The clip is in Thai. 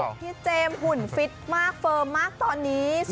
พี่เจมส์หุ่นฟิตมากเฟิร์มมากตอนนี้